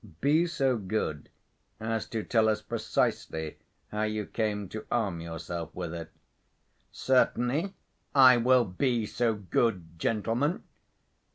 "Be so good as to tell us precisely how you came to arm yourself with it." "Certainly I will be so good, gentlemen."